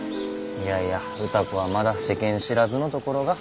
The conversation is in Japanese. いやいや歌子はまだ世間知らずのところが。